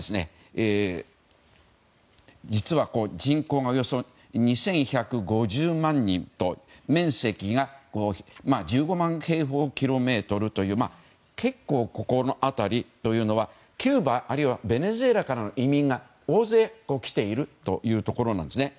実は人口がおよそ２１５０万人面積が１５万平方キロメートルという結構、この辺りというのはキューバあるいはベネズエラからの移民が大勢来ているというところなんですね。